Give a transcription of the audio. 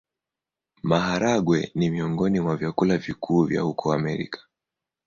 Maharagwe ni miongoni mwa vyakula vikuu vya huko Amerika.